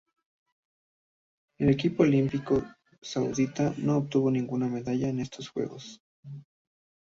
El equipo olímpico saudita no obtuvo ninguna medalla en estos Juegos.